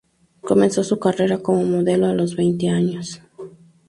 Comenzó su carrera como modelo a los veinte años.